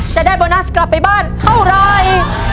จะได้โบนัสกลับไปบ้านเท่าไร